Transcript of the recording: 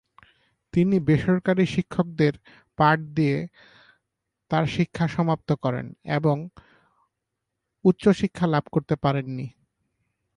তিনি বেসরকারি শিক্ষকদের পাঠ দিয়ে তার শিক্ষা সমাপ্ত করেন এবং উচ্চশিক্ষা লাভ করতে পারেননি।